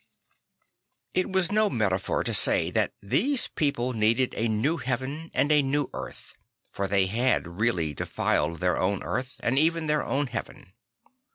It was no metaphor to say that these people needed a new heaven and a new earth; for they had really defiled their own earth and even their own heaven.